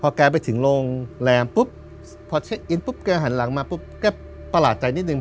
พอแกไปถึงโรงแรมพอเช็คอินแกหันหลังมาแกประหลาดใจนิดหนึ่ง